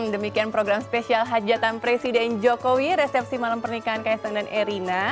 demikian program spesial hajatan presiden jokowi resepsi malam pernikahan kaisang dan erina